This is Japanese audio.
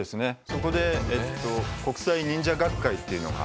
そこでえっと国際忍者学会っていうのが。